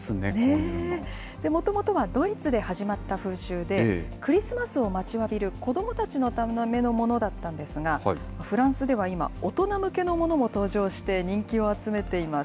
もともとはドイツで始まった風習で、クリスマスを待ちわびる子どもたちのためのものだったんですが、フランスでは今、大人向けのものも登場して、人気を集めています。